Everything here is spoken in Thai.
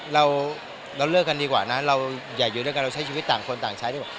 เราเราเลิกกันดีกว่านะเราอย่าอยู่ด้วยกันเราใช้ชีวิตต่างคนต่างใช้ดีกว่า